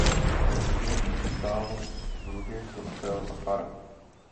V té době již stál v Rudě kostel a fara.